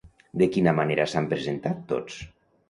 De quina manera s'han presentat tots?